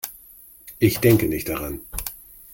Ich denke nicht daran.